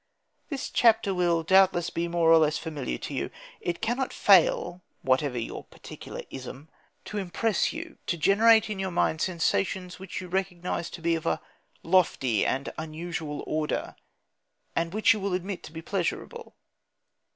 This chapter will doubtless be more or less familiar to you. It cannot fail (whatever your particular ism) to impress you, to generate in your mind sensations which you recognise to be of a lofty and unusual order, and which you will admit to be pleasurable.